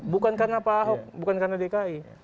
bukan karena pak ahok bukan karena dki